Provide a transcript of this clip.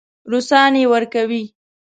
روسان یې ورکوي.